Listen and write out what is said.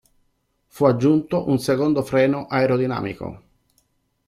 Fu aggiunto un secondo freno aerodinamico.